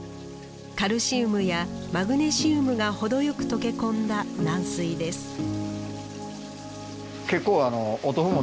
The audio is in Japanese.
カルシウムやマグネシウムが程よく溶け込んだ軟水です